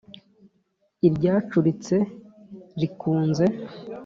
iryacuritse rikunze